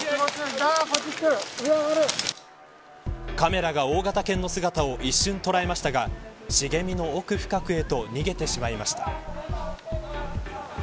カメラが大型犬の姿を一瞬捉えましたが茂みの奥深くへと逃げてしまいました。